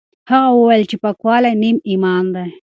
هغه وویل چې پاکوالی نیم ایمان دی.